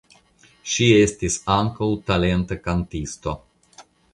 Ŝi estis ankaŭ talenta kantisto.